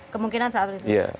kemungkinan seperti itu